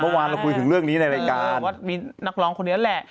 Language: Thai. เมื่อวานเราคุยถึงเรื่องนี้ในรายการว่ามีนักร้องคนนี้แหละ